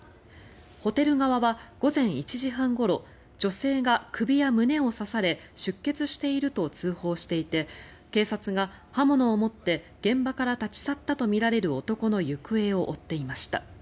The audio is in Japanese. ホテル側は、午前１時半ごろ女性が首や胸を刺され出血していると通報していて警察が、刃物を持って現場から立ち去ったとみられる男の行方を追っていました。